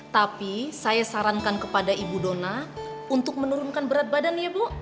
tapi saya sarankan kepada ibu dona untuk menurunkan berat badan ya bu